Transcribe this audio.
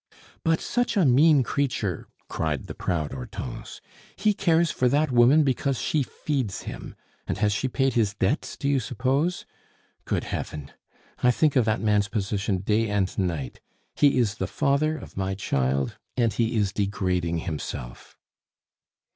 "But such a mean creature!" cried the proud Hortense. "He cares for that woman because she feeds him. And has she paid his debts, do you suppose? Good Heaven! I think of that man's position day and night! He is the father of my child, and he is degrading himself."